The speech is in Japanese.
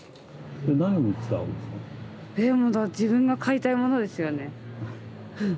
自分が買いたいものですよね。